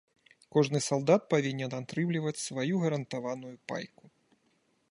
Кожны салдат павінен атрымліваць сваю гарантаваную пайку.